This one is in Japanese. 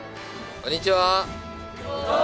こんにちは！